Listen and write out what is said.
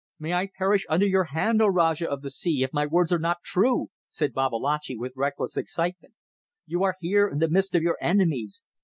"May I perish under your hand, O Rajah of the sea, if my words are not true!" said Babalatchi, with reckless excitement. "You are here in the midst of your enemies.